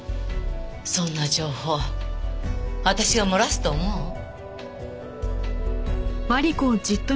そんな情報私が漏らすと思う？